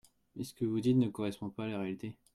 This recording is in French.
Mais ce que vous dites ne correspond pas à la réalité.